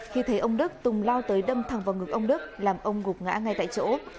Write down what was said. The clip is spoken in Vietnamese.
khi thấy ông đức tùng lao tới đâm thẳng vào ngực ông đức làm ông gục ngã ngay tại chỗ